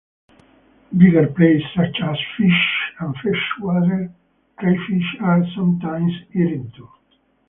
Bigger prey such as fish and freshwater crayfish are sometimes eaten too.